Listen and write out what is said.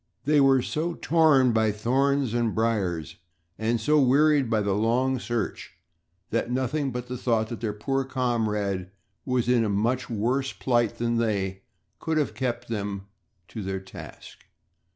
They were so torn by thorns and briers and so wearied by the long search, that nothing but the thought that their poor comrade was in a much worse plight than they, could have kept them to their task.